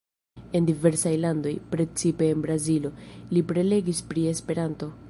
En diversaj landoj, precipe en Brazilo, li prelegis pri Esperanto.